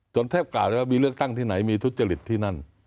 แทบกล่าวได้ว่ามีเลือกตั้งที่ไหนมีทุจริตที่นั่น